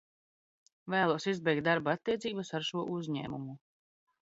Vēlos izbeigt darba attiecības ar šo uzņēmumu.